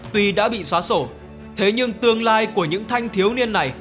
tuy đã bị xóa sổ thế nhưng tương lai của những thanh thiếu niên này